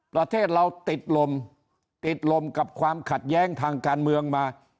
ประเทศเราติดลมติดลมกับความขัดแย้งทางการเมืองมา